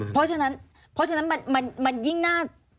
เพราะฉะนั้นมันยิ่งหน้า